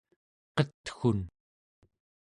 qetgun